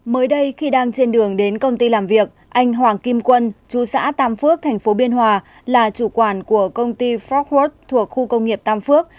mới đây khi đang trên đường đến công ty làm việc anh hoàng kim quân chú xã tam phước thành phố biên hòa là chủ quản của công ty foxwork thuộc khu công nghiệp tam phước